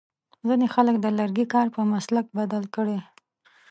ځینې خلک د لرګي کار په مسلک بدل کړی.